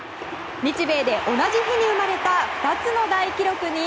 日米で同じ日に生まれた２つの大記録に。